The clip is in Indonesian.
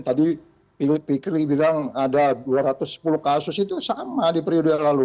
tadi fikri bilang ada dua ratus sepuluh kasus itu sama di periode yang lalu